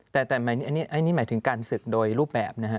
แต่อันนี้หมายถึงการศึกโดยรูปแบบนะฮะ